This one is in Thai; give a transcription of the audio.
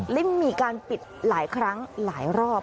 และมีการปิดหลายครั้งหลายรอบ